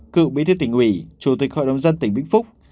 cựu bí thiết tỉnh ủy chủ tịch hội đồng nhân tỉnh vĩnh phúc